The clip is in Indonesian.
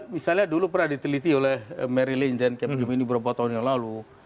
misalnya dulu pernah diteliti oleh mary lynn jankep ini beberapa tahun yang lalu